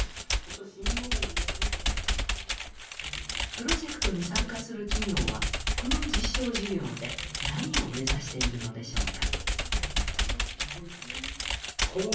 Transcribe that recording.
プロジェクトに参加する企業はこの実証事業で何を目指しているのでしょうか。